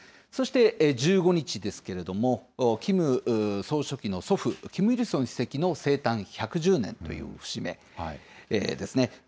そして１５日ですけれども、キム総書記の祖父、キム・イルソン主席の生誕１１０年という節目ですね。